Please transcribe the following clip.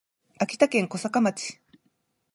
秋田県小坂町